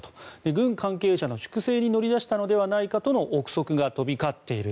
軍関係者の粛清に乗り出したのではないかとの臆測が飛び交っている。